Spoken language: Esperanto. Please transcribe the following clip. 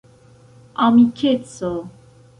amikeco